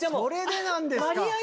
それでなんですか。